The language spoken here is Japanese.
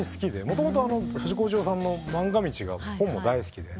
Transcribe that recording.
もともと藤子不二雄さんの『まんが道』が本も大好きで。